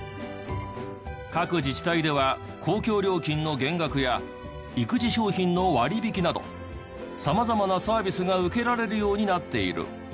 各自治体では公共料金の減額や育児商品の割引など様々なサービスが受けられるようになっている。